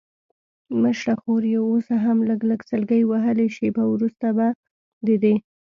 مشره خور یې اوس هم لږ لږ سلګۍ وهلې، شېبه وروسته به د دې.